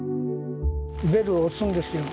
ベルを押すんですよ